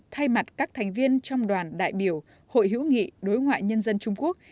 thay mặt các thành viên trong đoàn đại biểu hội hữu nghị đối ngoại nhân dân trung quốc